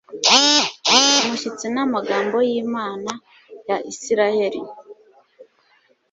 umushyitsi n amagambo y imana ya isirayeli